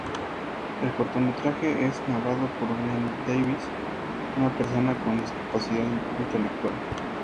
El cortometraje es narrado por Brian Davis, una persona con discapacidad intelectual.